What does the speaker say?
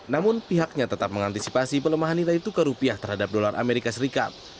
namun pihaknya tetap mengantisipasi pelemahan nilai tukar rupiah terhadap dolar amerika serikat